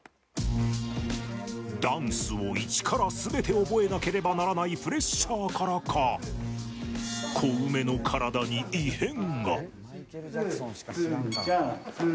ダンスを、一から全て覚えなければならないプレッシャーからかコウメの体に異変が。